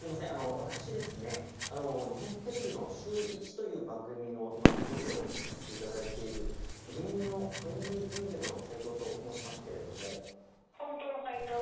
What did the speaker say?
私、日本テレビのシューイチという番組の今、ロケをさせていただいている芸人のトレンディエンジェルの斎藤と本当の斎藤さん？